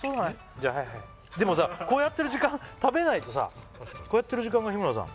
じゃあはいはいでもさこうやってる時間食べないとさこうやってる時間が日村さん